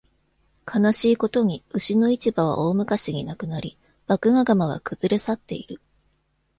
悲しいことに、牛の市場は大昔になくなり、麦芽窯は崩れ去っている。